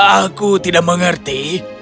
aku tidak mengerti